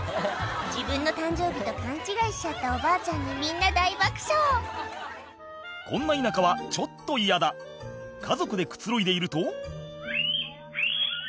自分の誕生日と勘違いしちゃったおばあちゃんにみんな大爆笑こんな田舎はちょっと嫌だ家族でくつろいでいるとキャ！